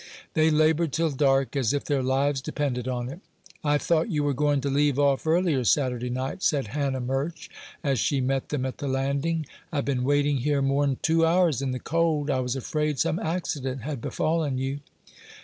They labored till dark, as if their lives depended on it. "I thought you were going to leave off earlier Saturday night," said Hannah Murch, as she met them at the landing. "I've been waiting here more'n two hours in the cold. I was afraid some accident had befallen you."